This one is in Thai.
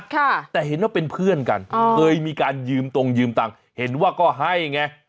ค่ะแต่เห็นว่าเป็นเพื่อนกันเคยมีการยืมตรงยืมตังค์เห็นว่าก็ให้ไง